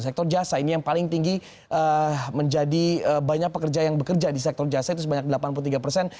sektor jasa ini yang paling tinggi menjadi banyak pekerja yang bekerja di sektor jasa itu sebanyak delapan puluh tiga persen